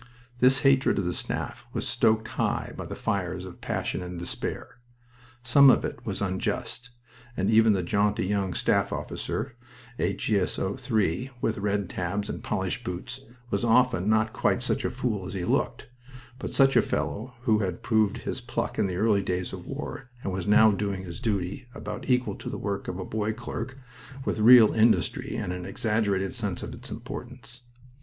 This hatred of the Staff was stoked high by the fires of passion and despair. Some of it was unjust, and even the jaunty young staff officer a G. S. O. 3, with red tabs and polished boots was often not quite such a fool as he looked, but a fellow who had proved his pluck in the early days of the war and was now doing his duty about equal to the work of a boy clerk with real industry and an exaggerated sense of its importance.